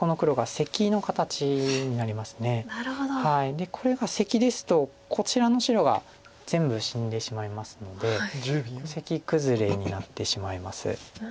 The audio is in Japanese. でこれがセキですとこちらの白が全部死んでしまいますのでセキクズレになってしまいます。